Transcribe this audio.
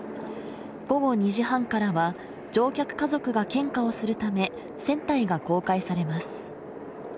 午後２時半からは乗客家族が献花をするため船体が公開されます